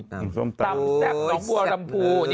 ตำแซ่บหนองบัวลำพู